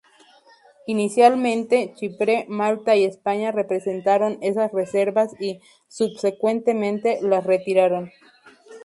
Inicialmente, Chipre, Malta y España presentaron esas reservas y, subsecuentemente, las retiraron.